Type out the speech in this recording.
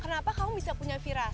kenapa kamu bisa punya viras